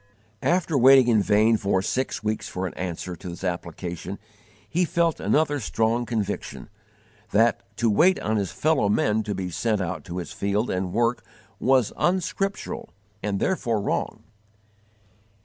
After waiting in vain for six weeks for an answer to this application, he felt another strong conviction: that _to wait on his fellow men to be sent out to his field and work was unscriptural and therefore wrong.